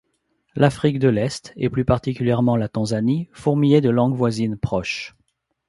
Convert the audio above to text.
L'Afrique de l'Est et plus particulièrement la Tanzanie fourmillait de langues voisines proches.